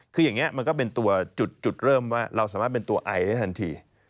คืออย่างนี้มันก็เป็นตัวจุดเริ่มว่าเราสามารถเป็นตัวไอได้ทันที